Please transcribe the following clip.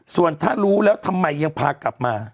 ส่วนถ้ารู้แล้วทำไมยังพากลับมา